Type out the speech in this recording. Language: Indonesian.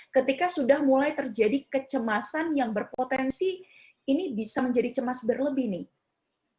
ketika sudah mulai terjadi kecemasan yang berpotensi ini bisa menjadi cemas berlebih nih